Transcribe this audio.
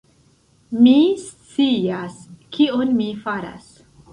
Mi scias, kion mi faras.